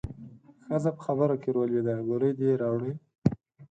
ښځه په خبره کې ورولوېده: ګولۍ دې راوړې؟